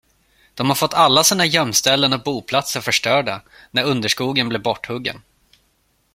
De har fått alla sina gömställen och boplatser förstörda, när underskogen blev borthuggen.